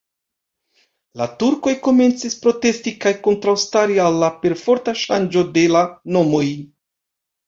La turkoj komencis protesti kaj kontraŭstari al la perforta ŝanĝo de la nomoj.